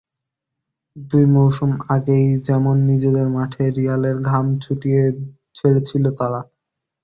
দুই মৌসুম আগেই যেমন নিজেদের মাঠে রিয়ালের ঘাম ছুটিয়ে ছেড়েছিল তারা।